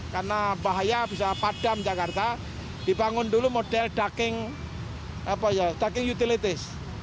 karena bahaya bisa padam jakarta dibangun dulu model ducking utilities